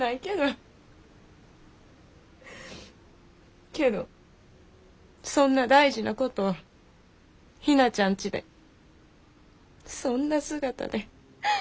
けどそんな大事なことをひなちゃんちでそんな姿で。